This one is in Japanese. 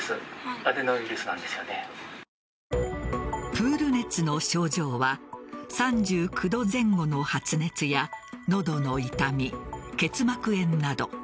プール熱の症状は３９度前後の発熱や喉の痛み、結膜炎など。